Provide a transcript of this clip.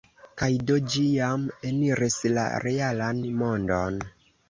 Kaj do, ĝi jam eniris la realan mondon.